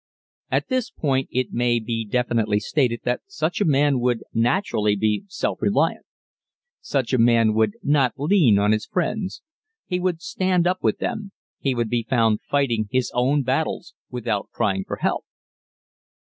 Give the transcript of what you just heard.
At this point it may be definitely stated that such a man would naturally be self reliant. Such a man would not lean on his friends. He would stand up with them.... He would be found fighting his own battles without crying for help.